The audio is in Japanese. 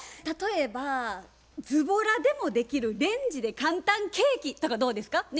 例えばズボラでもできるレンジで簡単ケーキとかどうですか？